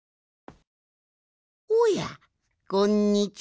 おやこんにちは。